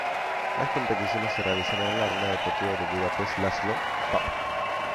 Las competiciones se realizaron en la Arena Deportiva de Budapest László Papp.